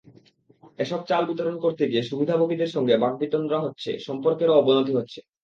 এসব চাল বিতরণ করতে গিয়ে সুবিধাভোগীদের সঙ্গে বাগ্বিতণ্ডা হচ্ছে, সম্পর্কেরও অবনতি ঘটছে।